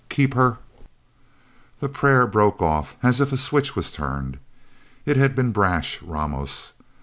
Keep her " The prayer broke off, as if a switch was turned. It had been brash Ramos...